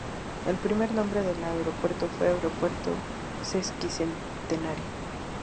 El primer nombre del aeropuerto fue "Aeropuerto Sesquicentenario".